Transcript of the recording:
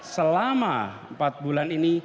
selama empat bulan ini